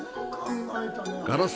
ガラス